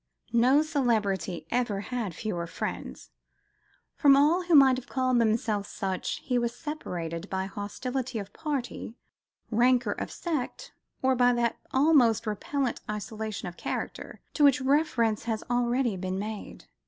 No celebrity ever had fewer friends. From all who might have called themselves such, he was separated by hostility of party, rancour of sect or by that almost repellent isolation of character to which reference has already been made.